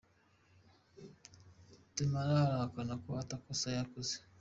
Temer arahakana ko ata kosa yakoze.